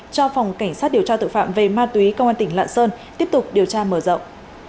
cho phòng cảnh sát điều tra tội phạm về ma túy công an tỉnh lạng sơn tiếp tục điều tra mở rộng